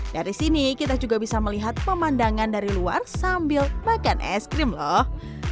dari sini kita juga bisa melihat pemandangan dari luar sambil makan es krim loh